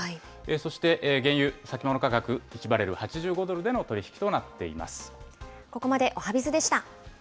そして、原油先物価格、１バレル８５ドル余りでの取り引きとなっています。